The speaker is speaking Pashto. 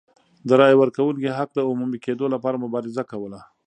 د رایې ورکونې حق د عمومي کېدو لپاره مبارزه کوله.